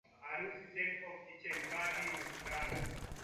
harusi send off kitchen party mikutano